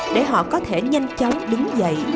để họ có thể nhanh chóng đứng dậy